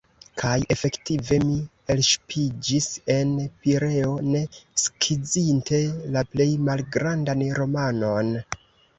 Kaj efektive, mi elŝipiĝis en Pireo, ne skizinte la plej malgrandan romanon.